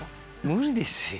無理ですよ。